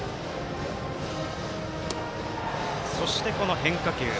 そして変化球。